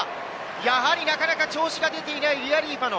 やはりなかなか調子が出ていないリアリーファノ。